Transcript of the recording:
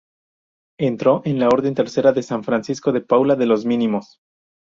Entró en la Orden Tercera de San Francisco de Paula, de los mínimos.